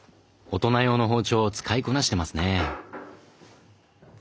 大人用の包丁を使いこなしてますね。